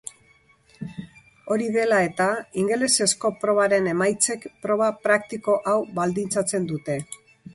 Hori dela eta, ingelesezko probaren emaitzek proba praktiko hau baldintzatzen dute.